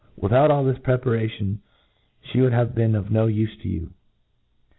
WiAout all this prepa ration, flic would have been trf po ufeto you.